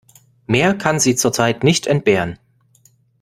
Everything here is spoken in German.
Mehr kann sie zurzeit nicht entbehren.